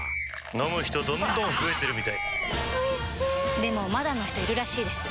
飲む人どんどん増えてるみたいおいしでもまだの人いるらしいですよ